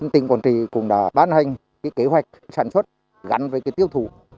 tỉnh quả trị cũng đã ban hành kế hoạch sản xuất gắn với tiêu thủ